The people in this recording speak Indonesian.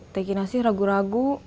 teh kinasi ragu ragu